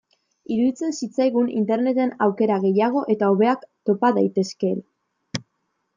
Iruditzen zitzaigun Interneten aukera gehiago eta hobeak topa daitezkeela.